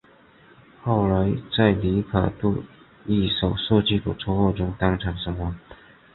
后来在里卡度一手设计的车祸中当场身亡。